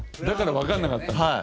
だからわかんなかったんだ。